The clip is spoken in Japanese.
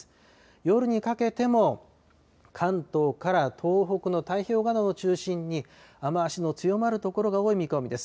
夜にかけても関東から東北の太平洋側などを中心に雨足の強まる所が多い見込みです。